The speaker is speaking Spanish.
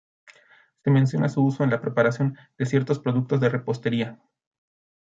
Se menciona su uso en la preparación de ciertos productos de repostería.